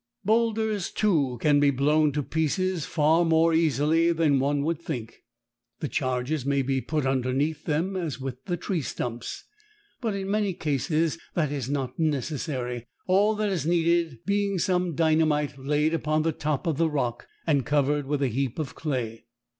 Boulders, too, can be blown to pieces far more easily than one would think. The charges may be put underneath them as with the tree stumps, but in many cases that is not necessary, all that is needed being some dynamite laid upon the top of the rock and covered with a heap of clay.